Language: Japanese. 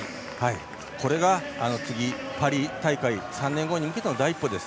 これが次、パリ大会３年後に向けての第一歩です。